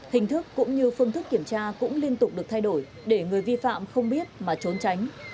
hình thức cũng như phương thức kiểm tra cũng liên tục được thay đổi để người vi phạm không biết mà trốn tránh